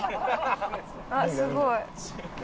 あっすごい！